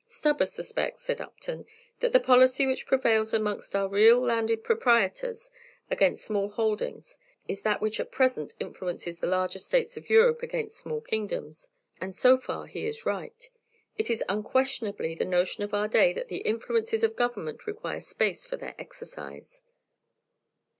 "Stubber suspects," said Upton, "that the policy which prevails amongst our great landed proprietors against small holdings is that which at present influences the larger states of Europe against small kingdoms; and so far he is right. It is unquestionably the notion of our day that the influences of government require space for their exercise."